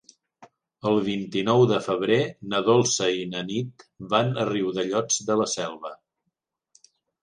El vint-i-nou de febrer na Dolça i na Nit van a Riudellots de la Selva.